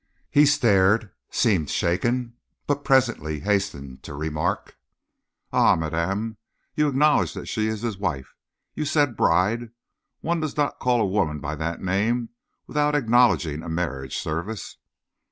He stared, seemed shaken, but presently hastened to remark: "Ah, madame, you acknowledge that she is his wife. You said bride. One does not call a woman by that name without acknowledging a marriage service."